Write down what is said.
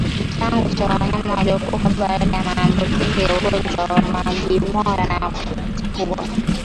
Kiwango cha wanyama wanaokufa baada ya maambukizi ya ugonjwa wa majimoyo ni kikubwa